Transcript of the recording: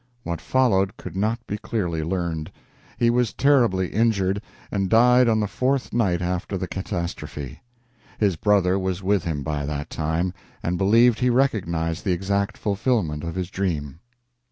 What followed could not be clearly learned. He was terribly injured, and died on the fourth night after the catastrophe. His brother was with him by that time, and believed he recognized the exact fulfilment of his dream.